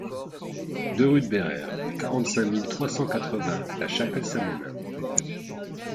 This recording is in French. deux rue de Béraire, quarante-cinq mille trois cent quatre-vingts La Chapelle-Saint-Mesmin